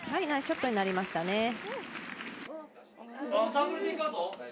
ナイスショットになりましたね。